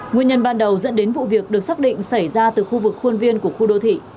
nguyên nhân ban đầu dẫn đến vụ việc được xác định xảy ra từ khu vực khuôn viên của khu đô thị